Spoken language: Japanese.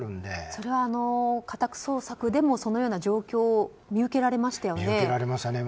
それは家宅捜索でもそのような状況を見受けられましたよね。